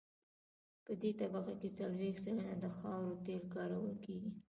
په دې طبقه کې څلویښت سلنه د خاورو تیل کارول کیږي